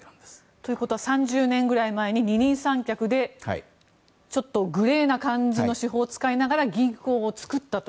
ということは３０年ぐらい前に二人三脚でグレーな感じの手法を使いながら銀行を作ったと。